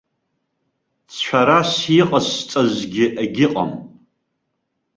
Цәарас иҟасҵазгьы егьыҟам.